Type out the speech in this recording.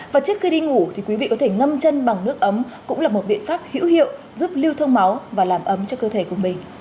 và trước khi đi ngủ thì quý vị có thể ngâm chân bằng nước ấm cũng là một biện pháp hữu hiệu giúp lưu thông máu và làm ấm cho cơ thể của mình